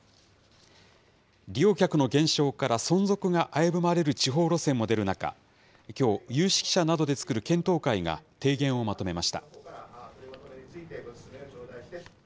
利用客の減少から存続が危ぶまれる地方路線も出る中、きょう、有識者などで作る検討会が提言をまとめました。